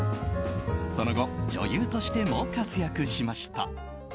その後、女優としても活躍しました。